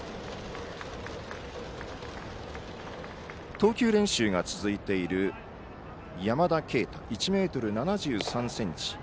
投球練習が続いている山田渓太１ｍ７３ｃｍ。